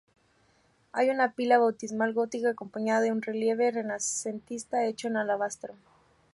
Hay una pila bautismal gótica acompañada de un relieve renacentista hecho en alabastro.